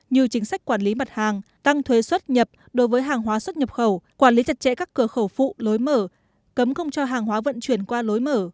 như chính sách quản lý mặt hàng tăng thuế xuất nhập đối với hàng hóa xuất nhập khẩu quản lý chặt chẽ các cửa khẩu phụ lối mở cấm không cho hàng hóa vận chuyển qua lối mở